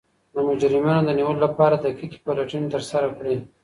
د مجرمینو د نیولو لپاره دقیقې پلټني ترسره کړئ.